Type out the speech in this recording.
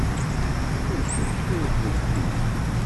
Acu-tt tuzegt-ik?